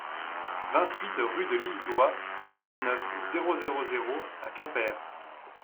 vingt-huit rue de l'Île d'Houat, vingt-neuf, zéro zéro zéro à Quimper